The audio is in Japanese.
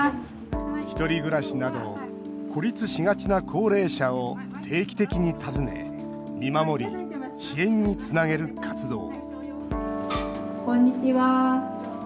ひとり暮らしなど孤立しがちな高齢者を定期的に訪ね見守り支援につなげる活動こんにちは。